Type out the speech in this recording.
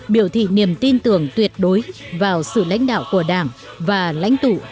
biểu thị niềm tin tưởng tuyệt đối vào sự lãnh đạo của đảng và lãnh tụ hồ chí minh